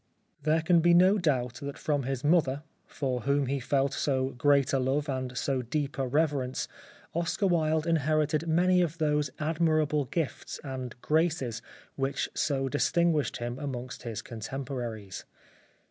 There can be no doubt that from his mother, for whom he ever felt so great a love and so deep a reverence, Oscar Wilde inherited many of those admirable gifts and graces which so distinguished him amongst his contemporaries.